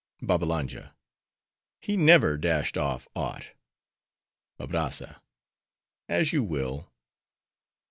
BABBALANJA—He never dashed off aught. ABRAZZA—As you will.